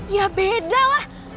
ya beda lah